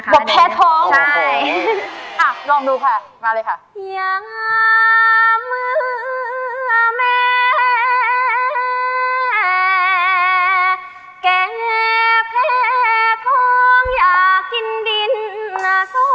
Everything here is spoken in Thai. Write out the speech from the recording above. ก็เป็นบทแพ้ท้องแล้วกันนะคะ